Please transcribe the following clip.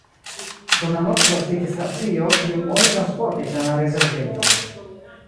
Dum la nokto estiĝis glacio, kiun oni transportis en la rezervejon.